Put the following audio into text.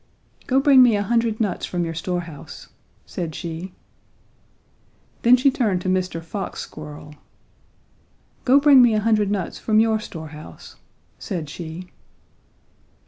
"'Go bring me a hundred nuts from your store house,' said she. "Then she turned to Mr. Fox Squirrel. "'Go bring me a hundred nuts from your store house,' said she.